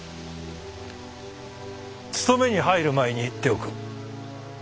盗めに入る前に言っておく。